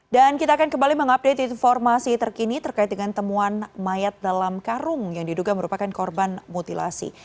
dan kita akan kembali mengupdate informasi terkini terkait dengan temuan mayat dalam karung yang diduga merupakan korban mutilasi